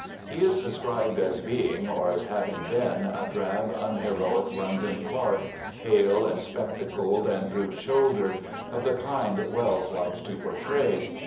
He is described as being, or as having been, a drab, unheroic London clerk, pale and spectacled and droop shouldered, of the kind Wells likes to portray.